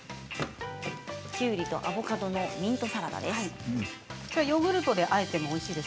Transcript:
きゅうりとアボカドのミントサラダです。